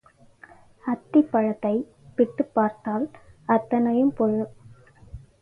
அத்திப் பழத்தைப் பிட்டுப் பார்த்தால் அத்தனையும் புழு.